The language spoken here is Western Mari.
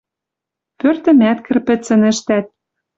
Пӧртӹмӓт кӹрпӹцӹн ӹштӓт